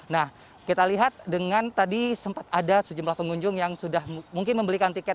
nah kita lihat dengan tadi sempat ada sejumlah pengunjung yang sudah mungkin membelikan tiket